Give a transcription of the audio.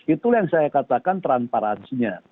itu yang saya katakan transparansinya